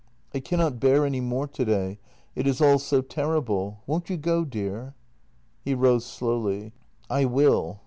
I cannot bear any more today — it is all so terrible. Won't you go, dear? " He rose slowly: " I will.